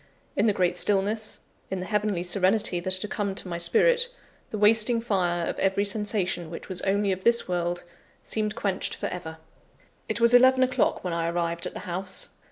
In the great stillness, in the heavenly serenity that had come to my spirit, the wasting fire of every sensation which was only of this world, seemed quenched for ever. It was eleven o'clock when I arrived at the house.